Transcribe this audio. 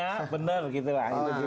sebenar gitu lah